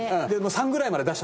３ぐらいまで。